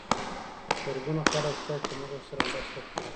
زرګونه خلک شته چې موږ ورسره مرسته کوو.